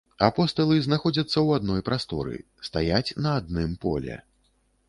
Апосталы знаходзяцца ў адной прасторы, стаяць на адным поле.